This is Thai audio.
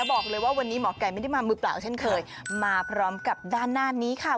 บอกเลยว่าวันนี้หมอไก่ไม่ได้มามือเปล่าเช่นเคยมาพร้อมกับด้านหน้านี้ค่ะ